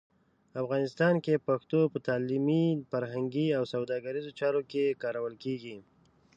افغانستان کې پښتو په تعلیمي، فرهنګي او سوداګریزو چارو کې کارول کېږي.